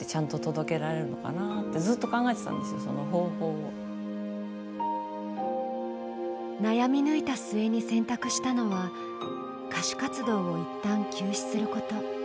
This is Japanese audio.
ならば悩み抜いた末に選択したのは歌手活動を一旦休止すること。